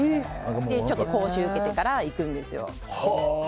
ちょっと講習を受けてから行くんですよ。